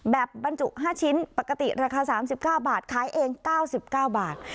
บรรจุ๕ชิ้นปกติราคา๓๙บาทขายเอง๙๙บาท